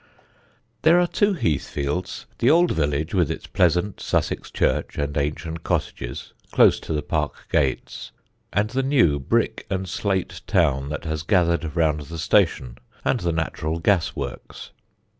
There are two Heathfields: the old village, with its pleasant Sussex church and ancient cottages close to the park gates; and the new brick and slate town that has gathered round the station and the natural gas works.